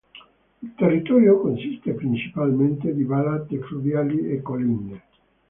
Il territorio consiste principalmente di vallate fluviali e colline.